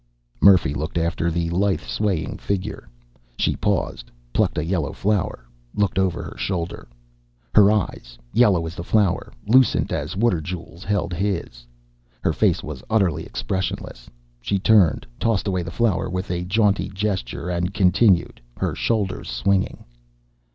Murphy looked after the lithe swaying figure. She paused, plucked a yellow flower, looked over her shoulder. Her eyes, yellow as the flower, lucent as water jewels, held his. Her face was utterly expressionless. She turned, tossed away the flower with a jaunty gesture, and continued, her shoulders swinging.